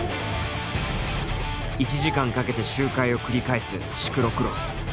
１時間かけて周回を繰り返すシクロクロス。